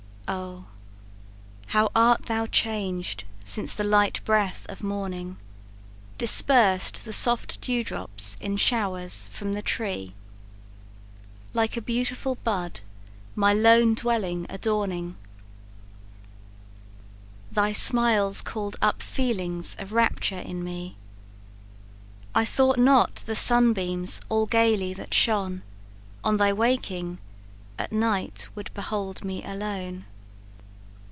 "Oh, how art thou changed, since the light breath of morning Dispersed the soft dewdrops in showers from the tree! Like a beautiful bud my lone dwelling adorning, Thy smiles call'd up feelings of rapture in me: I thought not the sunbeams all gaily that shone On thy waking, at night would behold me alone.